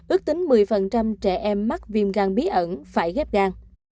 ước tính một mươi trẻ em mắc viêm gan bí ẩn phải ghép gan